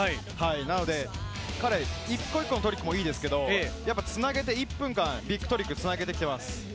なので、彼、一個一個のトリックもいいですけど、つなげて１分間、ビッグトリックをつなげてきてます。